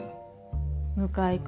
向井君。